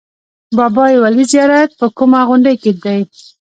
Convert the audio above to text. بابای ولي زیارت په کومه غونډۍ دی؟